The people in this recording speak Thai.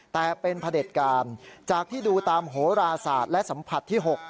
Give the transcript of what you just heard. แต่เป็นพระเด็จการจากที่ดูตามโหราศาสตร์และสัมผัสที่๖